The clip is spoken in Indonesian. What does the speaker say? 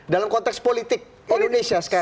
dalam konteks politik indonesia sekarang